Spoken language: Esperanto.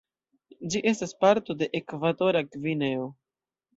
Ĝi estas parto de Ekvatora Gvineo.